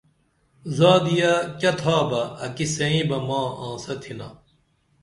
زادِیہ کیہ تھا بہ اکی سئیں بہ ماں آنسہ تِھنا